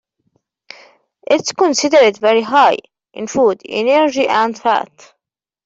It is considered very high in food energy and fat.